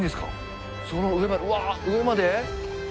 その上までうわ上まで？